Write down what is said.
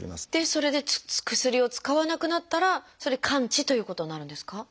それで薬を使わなくなったらそれで完治ということになるんですか？